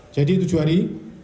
jadi tujuh hari